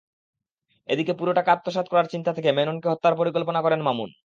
এদিকে পুরো টাকা আত্মসাৎ করার চিন্তা থেকে মেননকে হত্যার পরিকল্পনা করেন মামুন।